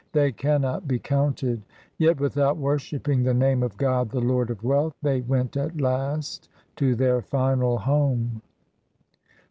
They cannot be counted — Yet without worshipping the name of God the Lord of wealth, they went at last to their final home.